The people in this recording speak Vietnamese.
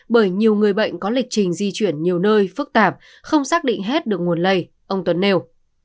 bởi nhiều người bệnh có lịch trình di chuyển nhiều nơi phức tạp không xác định hết được nguồn lây ông tuấn nêu